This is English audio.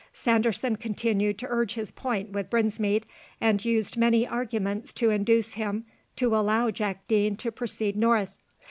Sanderson continued to urge his point with Brinsmead, and used many arguments to induce him to allow Jack Deane to proceed north.